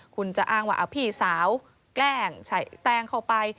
คุณจะอ้างว่าเอาพี่สาวกแกล้งใส่แต้งเข้าไป